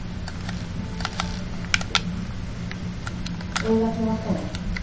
映画決まったの。